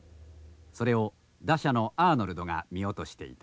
それを打者のアーノルドが見落としていた。